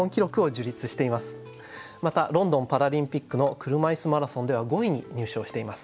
またロンドンパラリンピックの車いすマラソンでは５位に入賞しています。